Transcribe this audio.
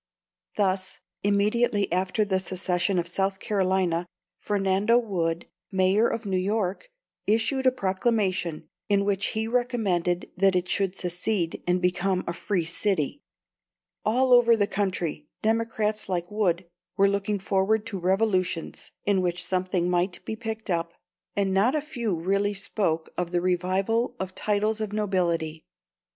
Thus, immediately after the secession of South Carolina, Fernando Wood, Mayor of New York, issued a proclamation, in which he recommended that it should secede, and become a "free city." All over the country, Democrats like Wood were looking forward to revolutions in which something might be picked up, and not a few really spoke of the revival of titles of nobility.